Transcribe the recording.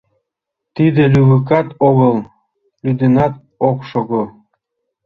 Тиде лювыкат огыл, лӱдынат ок шого.